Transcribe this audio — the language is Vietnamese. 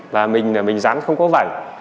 và mình là mình rắn không có vảnh